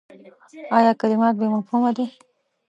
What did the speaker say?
ایا کلمات بې مفهومه دي ؟